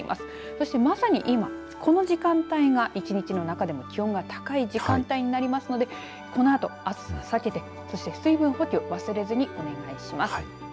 そして、まさに今この時間帯が１日の中でも気温が高い時間帯になりますのでこのあと、暑さを避けて水分補給、忘れずにお願いします。